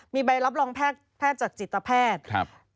มีใบรับรองแพทย์จากจิตแพทย์